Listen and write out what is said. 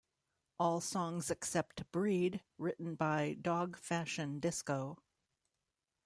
All songs except "Breed" written by Dog Fashion Disco.